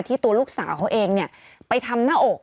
ตัวลูกสาวเขาเองไปทำหน้าอก